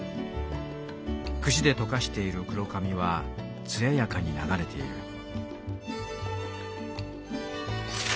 櫛でとかしている黒髪はつややかにながれている」。